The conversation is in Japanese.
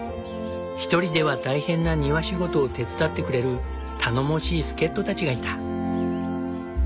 一人では大変な庭仕事を手伝ってくれる頼もしい助っ人たちがいた。